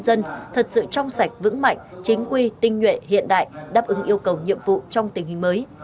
công an nhân dân thật sự trong sạch vững mạnh chính quy tinh nhuệ hiện đại đáp ứng yêu cầu nhiệm vụ trong tình hình mới